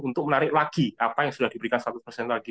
untuk menarik lagi apa yang sudah diberikan seratus persen lagi